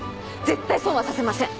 絶対損はさせません